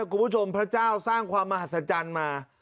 กลุ่มผู้ชมพระเจ้าสร้างความมหัศจรรย์มา